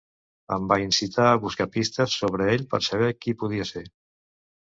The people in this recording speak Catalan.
Em va incitar a buscar pistes sobre ell per saber qui podia ser.